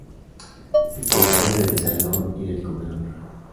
Se compone del salón y del comedor.